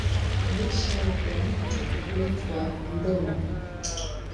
Mwisho wa mto huitwa mdomo.